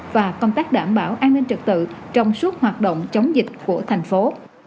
và công tác đảm bảo an ninh trật tự trong suốt hoạt động chống dịch của thành phố